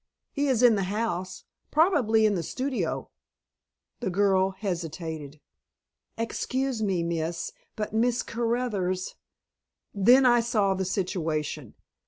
"He is in the house, probably in the studio." The girl hesitated. "Excuse me, miss, but Miss Caruthers " Then I saw the situation.